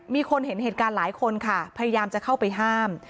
มีคนเห็นเหตุการณ์หลายคนค่ะพยายามจะเข้าไปห้าม